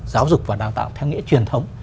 giáo dục và đào tạo theo nghĩa truyền thống